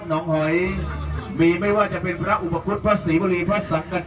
หนองหอยมีไม่ว่าจะเป็นพระอุปกรุษพระสี่บุรีพระสัชกัด